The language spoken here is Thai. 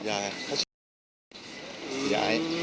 เพราะเขาเสียบยาย